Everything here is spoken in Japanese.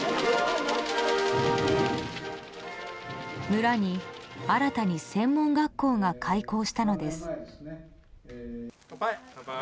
村に新たに専門学校が開校したのです。